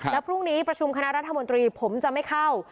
แล้วพรุ่งนี้ประชุมคณะรัฐมนตรีผมจะไม่เข้า